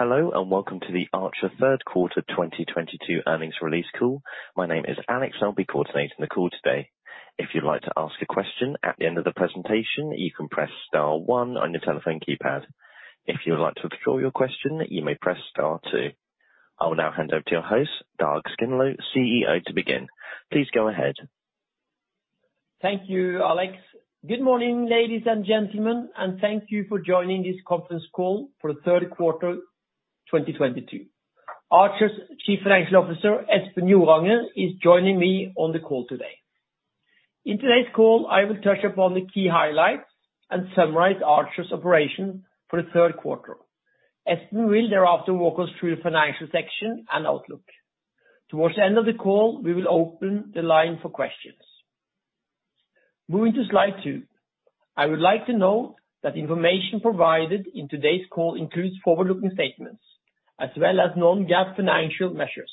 Hello, welcome to the Archer third quarter 2022 earnings release call. My name is Alex, and I'll be coordinating the call today. If you'd like to ask a question at the end of the presentation, you can press star one on your telephone keypad. If you would like to withdraw your question, you may press star two. I will now hand over to your host, Dag Skindlo, CEO, to begin. Please go ahead. Thank you, Alex. Good morning, ladies and gentlemen, and thank you for joining this conference call for the 3rd quarter 2022. Archer's Chief Financial Officer, Espen Joranger, is joining me on the call today. In today's call, I will touch upon the key highlights and summarize Archer's operation for the third quarter. Espen will thereafter walk us through the financial section and outlook. Towards the end of the call, we will open the line for questions. Moving to Slide 2. I would like to note that information provided in today's call includes forward-looking statements as well as non-GAAP financial measures.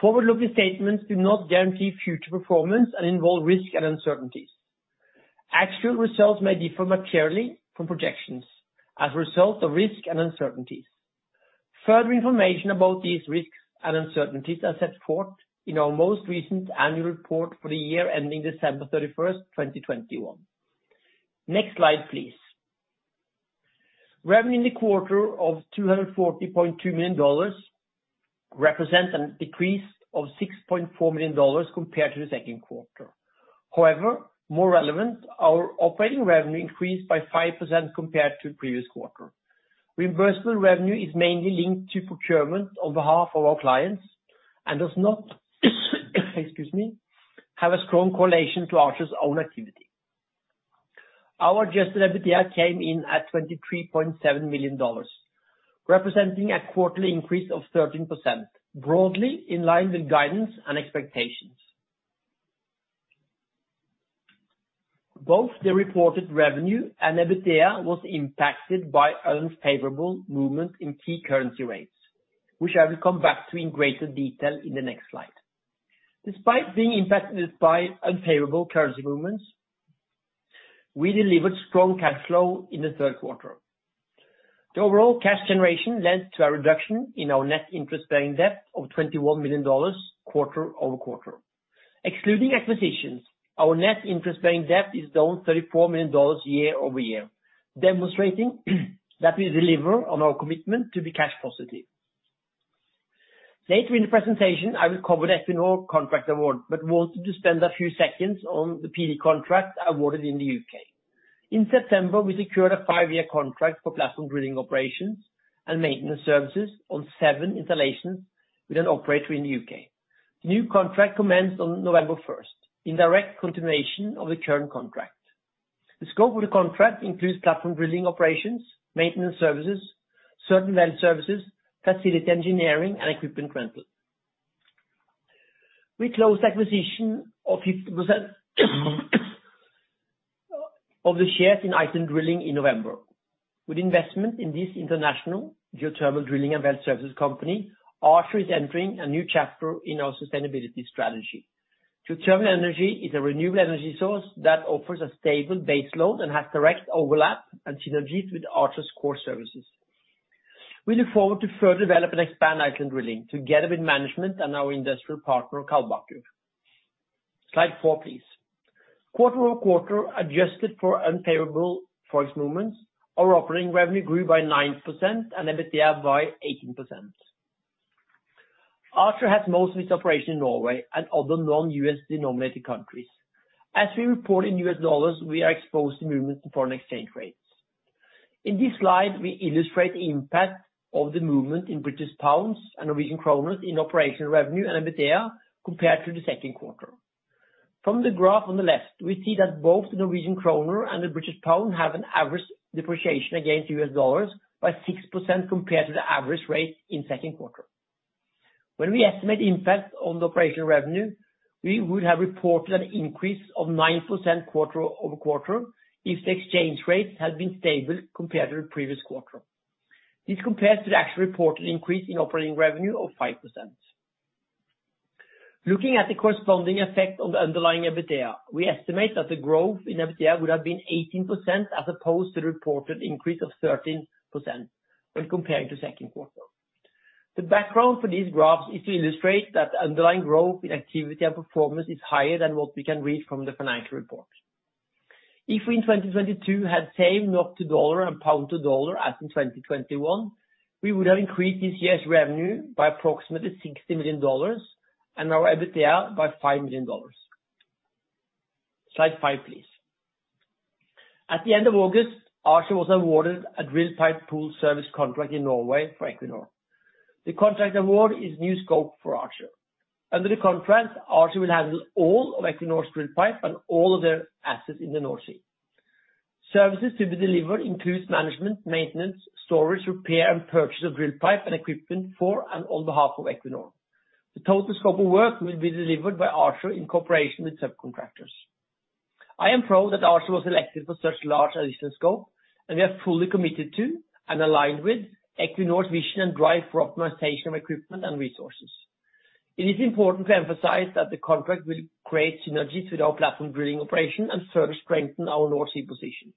Forward-looking statements do not guarantee future performance and involve risk and uncertainties. Actual results may differ materially from projections as a result of risks and uncertainties. Further information about these risks and uncertainties are set forth in our most recent annual report for the year ending December 31, 2021. Next slide, please. Revenue in the quarter of $240.2 million represents a decrease of $6.4 million compared to the second quarter. However, more relevant, our operating revenue increased by 5% compared to the previous quarter. Reimbursable revenue is mainly linked to procurement on behalf of our clients and does not, excuse me, have a strong correlation to Archer's own activity. Our Adjusted EBITDA came in at $23.7 million, representing a quarterly increase of 13%, broadly in line with guidance and expectations. Both the reported revenue and EBITDA was impacted by unfavorable movement in key currency rates, which I will come back to in greater detail in the next Slide. Despite being impacted by unfavorable currency movements, we delivered strong cash flow in the third quarter. The overall cash generation led to a reduction in our net interest-bearing debt of $21 million quarter-over-quarter. Excluding acquisitions, our net interest-bearing debt is down $34 million year-over-year, demonstrating that we deliver on our commitment to be cash positive. Later in the presentation, I will cover the all the contract award, but wanted to spend a few seconds on the PD contract awarded in the U.K. In September, we secured a five-year contract for platform drilling operations and maintenance services on seven installations with an operator in the U.K. The new contract commenced on November first in direct continuation of the current contract. The scope of the contract includes platform drilling operations, maintenance services, certain well services, facility engineering, and equipment rental. We closed the acquisition of 50% of the shares in Iceland Drilling in November. With investment in this international geothermal drilling and well services company, Archer is entering a new chapter in our sustainability strategy. Geothermal energy is a renewable energy source that offers a stable baseload and has direct overlap and synergies with Archer's core services. We look forward to further develop and expand Iceland Drilling together with management and our industrial partner, Kaldbakur. Slide 4, please. Quarter-over-quarter, adjusted for unfavorable ForEx movements, our operating revenue grew by 9% and EBITDA by 18%. Archer has most of its operation in Norway and other non-U.S. denominated countries. As we report in U.S. dollars, we are exposed to movements in foreign exchange rates. In this Slide, we illustrate the impact of the movement in British pounds and Norwegian kroners in operational revenue and EBITDA compared to the second quarter. From the graph on the left, we see that both the Norwegian kroner and the British pound have an average depreciation against U.S. dollars by 6% compared to the average rate in second quarter. When we estimate impact on the operational revenue, we would have reported an increase of 9% quarter-over-quarter if the exchange rates had been stable compared to the previous quarter. This compares to the actual reported increase in operating revenue of 5%. Looking at the corresponding effect on the underlying EBITDA, we estimate that the growth in EBITDA would have been 18% as opposed to the reported increase of 13% when comparing to second quarter. The background for these graphs is to illustrate that underlying growth in activity and performance is higher than what we can read from the financial report. If we in 2022 had same NOK to dollar and pound to dollar as in 2021, we would have increased this year's revenue by approximately $60 million and our EBITDA by $5 million. Slide 5, please. At the end of August, Archer was awarded a drill pipe pool service contract in Norway for Equinor. The contract award is new scope for Archer. Under the contract, Archer will handle all of Equinor's drill pipe and all of their assets in the North Sea. Services to be delivered includes management, maintenance, storage, repair, and purchase of drill pipe and equipment for and on behalf of Equinor. The total scope of work will be delivered by Archer in cooperation with subcontractors. I am proud that Archer was elected for such large additional scope, we are fully committed to and aligned with Equinor's vision and drive for optimization of equipment and resources. It is important to emphasize that the contract will create synergies with our platform drilling operation and further strengthen our North Sea position.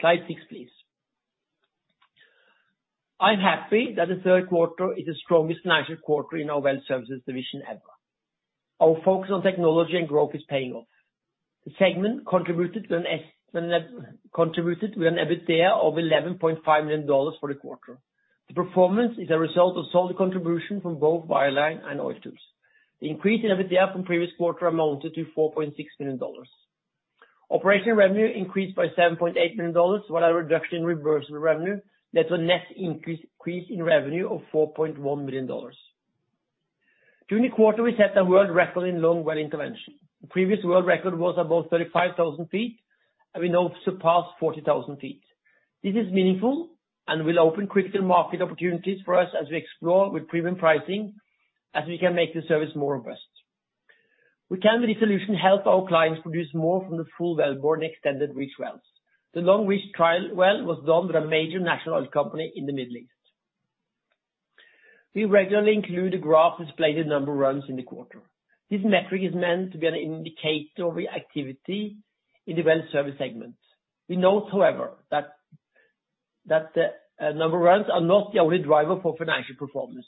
Slide 6, please. I'm happy that the third quarter is the strongest financial quarter in our wealth services division ever. Our focus on technology and growth is paying off. The segment contributed with an EBITDA of $11.5 million for the quarter. The performance is a result of solid contribution from both Wireline and A-Star. The increase in EBITDA from previous quarter amounted to $4.6 million. Operational revenue increased by $7.8 million, while a reduction in reimbursable revenue led to a net increase in revenue of $4.1 million. During the quarter, we set a world record in long well intervention. The previous world record was above 35,000 ft, and we now surpassed 40,000 ft. This is meaningful and will open critical market opportunities for us as we explore with premium pricing, as we can make the service more robust. We can, with the solution, help our clients produce more from the full well bore and extended reach wells. The long reach trial well was done with a major national oil company in the Middle East. We regularly include a graph displaying the number of runs in the quarter. This metric is meant to be an indicator of the activity in the well service segment. We note, however, that number of runs are not the only driver for financial performance.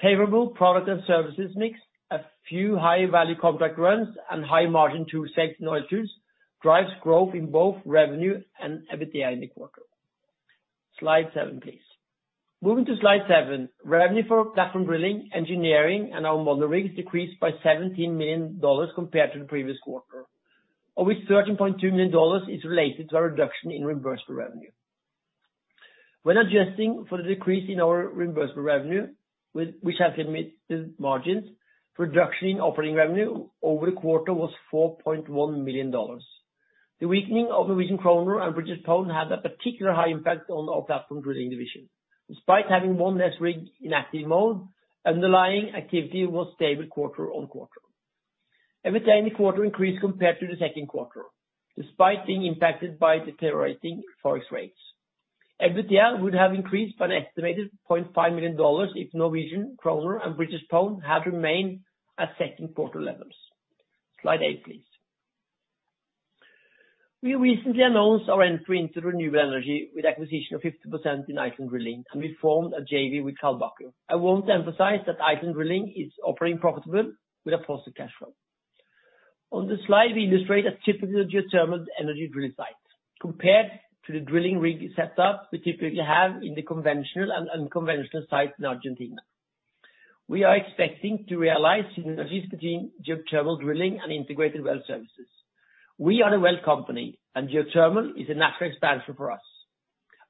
Favorable product and services mix, a few high-value contract runs, and high margin tool sales in Archer drives growth in both revenue and EBITDA in the quarter. Slide 7, please. Moving to Slide 7, revenue for platform drilling, engineering and our [moderating] decreased by $17 million compared to the previous quarter. Of which $13.2 million is related to a reduction in reimbursable revenue. When adjusting for the decrease in our reimbursable revenue which has been mixed margins, reduction in operating revenue over the quarter was $4.1 million. The weakening of the Norwegian kroner and British pound had a particular high impact on our platform drilling division. Despite having one less rig in active mode, underlying activity was stable quarter on quarter. EBITDA in the quarter increased compared to the second quarter, despite being impacted by deteriorating Forex rates. EBITDA would have increased by an estimated $0.5 million if Norwegian kroner and British pound had remained at second quarter levels. Slide 8, please. We recently announced our entry into renewable energy with acquisition of 50% in Iceland Drilling. We formed a JV with Kaldbakur. I want to emphasize that Iceland Drilling is operating profitable with a positive cash flow. On this Slide, we illustrate a typical geothermal energy drilling site compared to the drilling rig setup we typically have in the conventional and unconventional sites in Argentina. We are expecting to realize synergies between geothermal drilling and integrated well services. We are a well company. Geothermal is a natural expansion for us.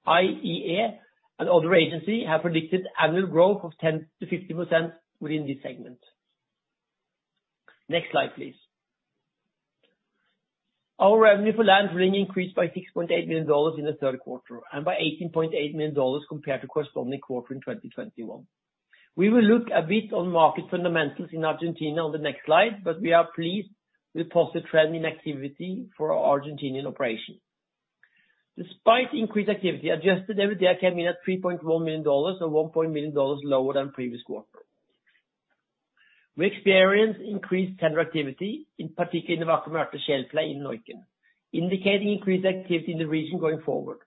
IEA and other agencies have predicted annual growth of 10%-50% within this segment. Next Slide, please. Our revenue for land drilling increased by $6.8 million in the third quarter and by $18.8 million compared to corresponding quarter in 2021. We will look a bit on market fundamentals in Argentina on the next slide. We are pleased with positive trend in activity for our Argentinian operation. Despite increased activity, Adjusted EBITDA came in at $3.1 million or $1. million lower than previous quarter. We experienced increased tender activity, in particular in the Vaca Muerta Shale Play in Neuquén, indicating increased activity in the region going forward.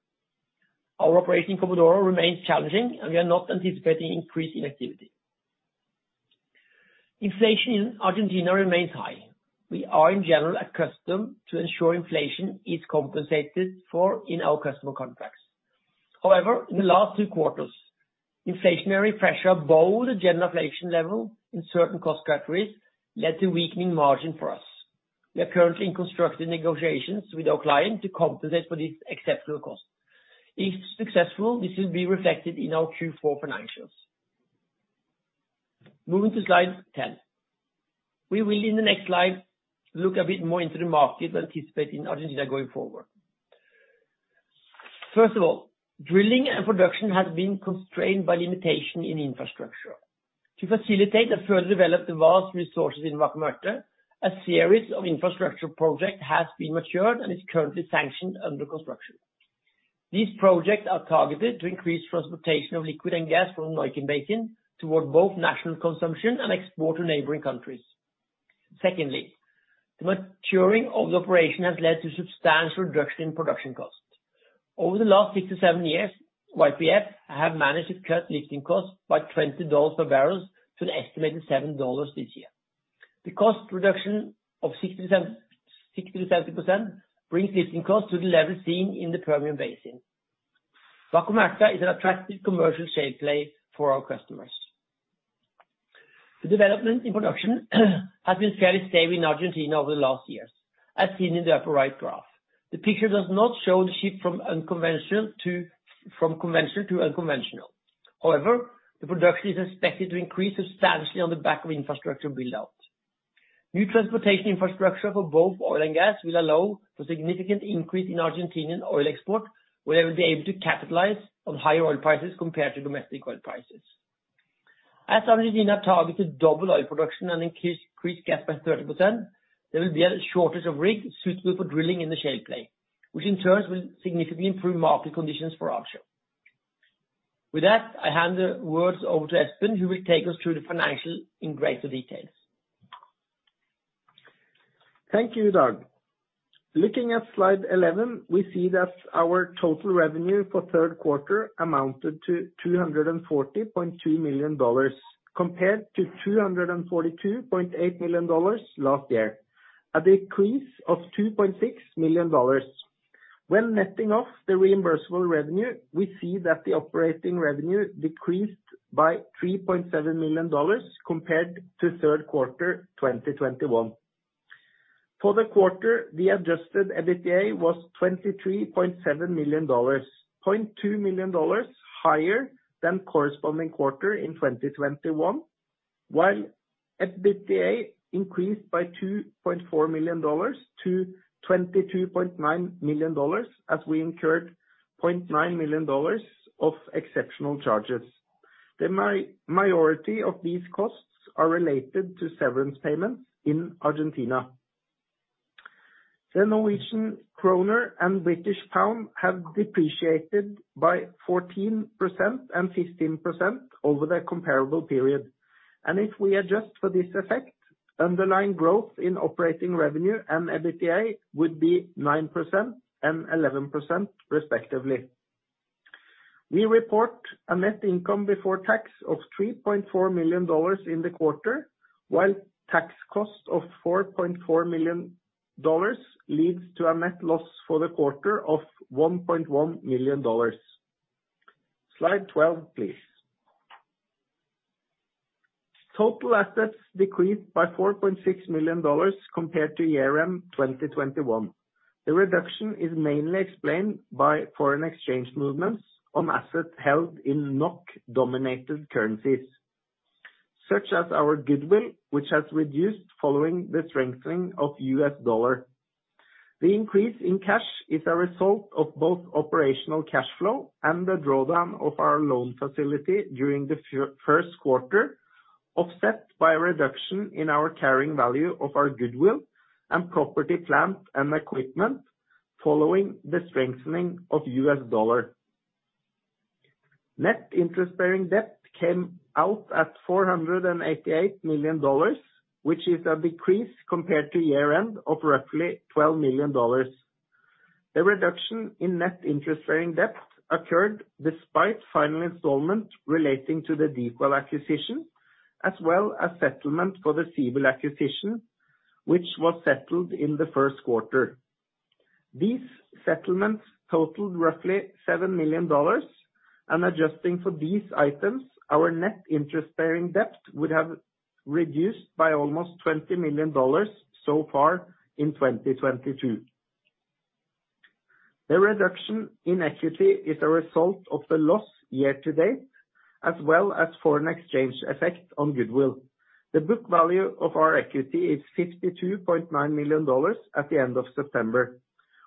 Our operation in Comodoro remains challenging. We are not anticipating increase in activity. Inflation in Argentina remains high. We are in general accustomed to ensure inflation is compensated for in our customer contracts. In the last two quarters, inflationary pressure above the general inflation level in certain cost categories led to weakening margin for us. We are currently in constructive negotiations with our client to compensate for this exceptional cost. If successful, this will be reflected in our Q4 financials. Moving to Slide 10. We will, in the next slide, look a bit more into the market and anticipate in Argentina going forward. First of all, drilling and production has been constrained by limitation in infrastructure. To facilitate and further develop the vast resources in Vaca Muerta, a series of infrastructure projects has been matured and is currently sanctioned under construction. These projects are targeted to increase transportation of liquid and gas from Neuquén Basin toward both national consumption and export to neighboring countries. Secondly, the maturing of the operation has led to substantial reduction in production costs. Over the last 67 years, YPF have managed to cut lifting costs by $20 per barrels to an estimated $7 this year. The cost reduction of 60%-70% brings lifting costs to the level seen in the Permian Basin. Vaca Muerta is an attractive commercial shale play for our customers. The development in production has been fairly stable in Argentina over the last years, as seen in the upper-right graph. The picture does not show the shift from unconventional to, from conventional to unconventional. However, the production is expected to increase substantially on the back of infrastructure build-out. New transportation infrastructure for both oil and gas will allow for significant increase in Argentinian oil export, where they will be able to capitalize on higher oil prices compared to domestic oil prices. As Argentina targeted double oil production and increase gas by 30%, there will be a shortage of rigs suitable for drilling in the shale play, which in turn will significantly improve market conditions for offshore. With that, I hand the words over to Espen, who will take us through the financials in greater details. Thank you, Dag. Looking at Slide 11, we see that our total revenue for third quarter amounted to $240.2 million compared to $242.8 million last year, a decrease of $2.6 million. When netting off the reimbursable revenue, we see that the operating revenue decreased by $3.7 million compared to third quarter 2021. For the quarter, the Adjusted EBITDA was $23.7 million, $0.2 million higher than corresponding quarter in 2021. While EBITDA increased by $2.4 million to $22.9 million as we incurred $0.9 million of exceptional charges. The majority of these costs are related to severance payments in Argentina. The Norwegian kroner and British pound have depreciated by 14% and 15% over the comparable period. If we adjust for this effect, underlying growth in operating revenue and EBITDA would be 9% and 11% respectively. We report a net income before tax of $3.4 million in the quarter, while tax costs of $4.4 million leads to a net loss for the quarter of $1.1 million. Slide 12, please. Total assets decreased by $4.6 million compared to year-end 2021. The reduction is mainly explained by foreign exchange movements on assets held in NOK-dominated currencies, such as our goodwill, which has reduced following the strengthening of U.S. dollar. The increase in cash is a result of both operational cash flow and the drawdown of our loan facility during the first quarter, offset by a reduction in our carrying value of our goodwill and property, plant and equipment following the strengthening of U.S. dollar. Net interest-bearing debt came out at $488 million, which is a decrease compared to year end of roughly $12 million. The reduction in net interest bearing debt occurred despite final installment relating to the DeepWell acquisition, as well as settlement for the Ziebel acquisition, which was settled in the first quarter. These settlements totaled roughly $7 million. Adjusting for these items, our net interest bearing debt would have reduced by almost $20 million so far in 2022. The reduction in equity is a result of the loss year to date, as well as foreign exchange effect on goodwill. The book value of our equity is $52.9 million at the end of September.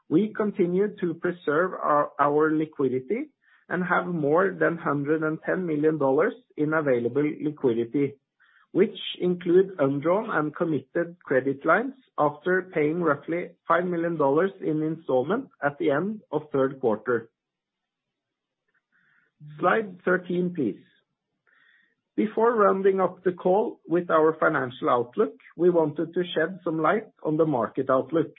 We continue to preserve our liquidity and have more than $110 million in available liquidity, which include undrawn and committed credit lines after paying roughly $5 million in installment at the end of third quarter. Slide 13, please. Before rounding up the call with our financial outlook, we wanted to shed some light on the market outlook.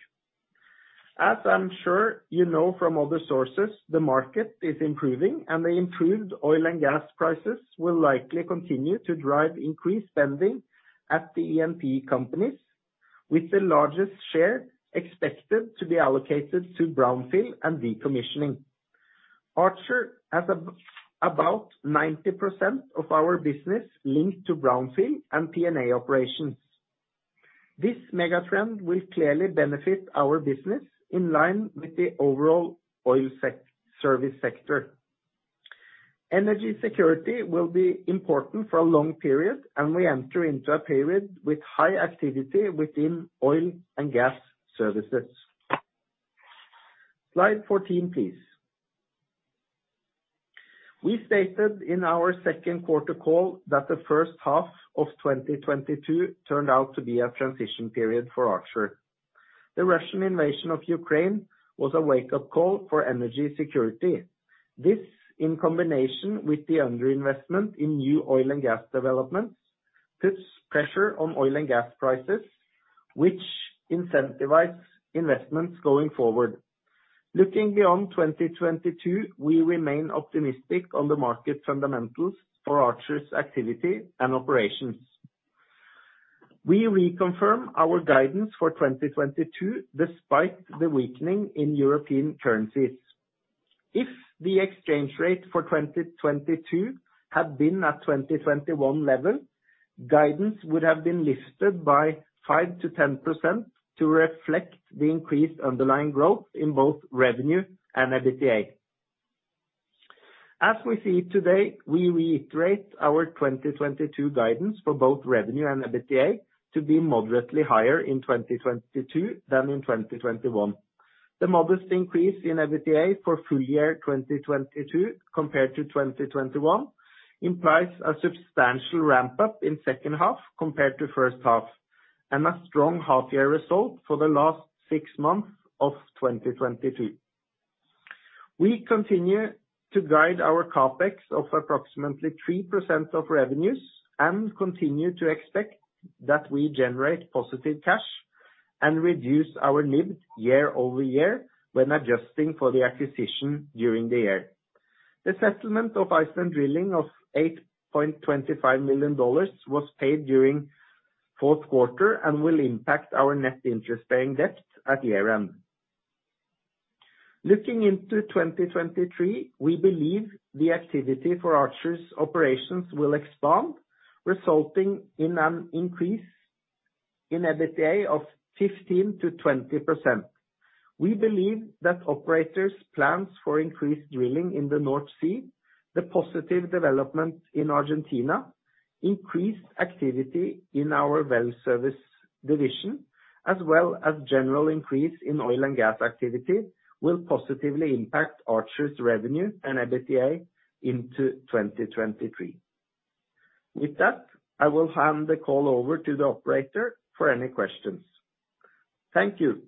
As I'm sure you know from other sources, the market is improving, and the improved oil and gas prices will likely continue to drive increased spending at the E&P companies, with the largest share expected to be allocated to brownfield and decommissioning. Archer has about 90% of our business linked to brownfield and P&A operations. This mega-trend will clearly benefit our business in line with the overall oil service sector. Energy security will be important for a long period. We enter into a period with high activity within oil and gas services. Slide 14, please. We stated in our second quarter call that the first half of 2022 turned out to be a transition period for Archer. The Russian invasion of Ukraine was a wake-up call for energy security. This, in combination with the under-investment in new oil and gas developments, puts pressure on oil and gas prices, which incentivizes investments going forward. Looking beyond 2022, we remain optimistic on the market fundamentals for Archer's activity and operations. We reconfirm our guidance for 2022 despite the weakening in European currencies. If the exchange rate for 2022 had been at 2021 level, guidance would have been lifted by 5%-10% to reflect the increased underlying growth in both revenue and EBITDA. As we see today, we reiterate our 2022 guidance for both revenue and EBITDA to be moderately higher in 2022 than in 2021. The modest increase in EBITDA for full year 2022 compared to 2021 implies a substantial ramp up in second half compared to first half. A strong half-year result for the last six months of 2022. We continue to guide our CapEx of approximately 3% of revenues and continue to expect that we generate positive cash and reduce our nib year-over-year when adjusting for the acquisition during the year. The settlement of Iceland Drilling of $8.25 million was paid during fourth quarter and will impact our net interest-paying debt at year-end. Looking into 2023, we believe the activity for Archer's operations will expand, resulting in an increase in EBITDA of 15%-20%. We believe that operators' plans for increased drilling in the North Sea, the positive development in Argentina, increased activity in our well service division, as well as general increase in oil and gas activity will positively impact Archer's revenue and EBITDA into 2023. With that, I will hand the call over to the operator for any questions. Thank you.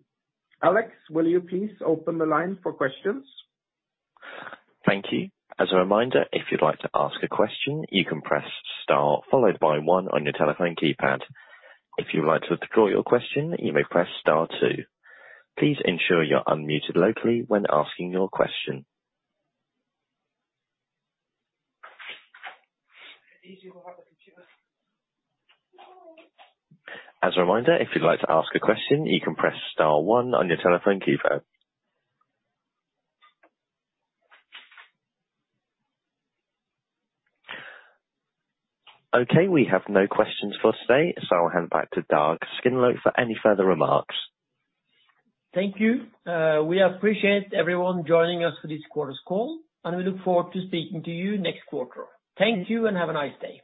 Alex, will you please open the line for questions? Thank you. As a reminder, if you'd like to ask a question, you can press star followed by one on your telephone keypad. If you would like to withdraw your question, you may press star two. Please ensure you're unmuted locally when asking your question. It's easier to have the computer. As a reminder, if you'd like to ask a question, you can press star one on your telephone keypad. Okay, we have no questions for today, so I'll hand back to Dag Skindlo for any further remarks. Thank you. We appreciate everyone joining us for this quarter's call. We look forward to speaking to you next quarter. Thank you. Have a nice day.